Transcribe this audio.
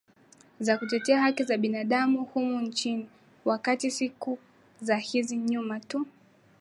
za kutetea haki za kibinadamu humu nchini wakati siku za hizi nyuma tu